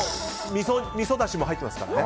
みそだしも入ってますからね。